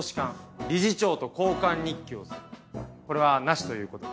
これはなしという事で。